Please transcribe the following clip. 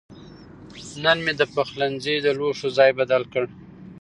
نن مې د پخلنځي د لوښو ځای بدل کړ.